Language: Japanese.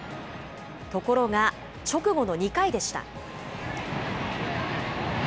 ところが、直後の２回でした。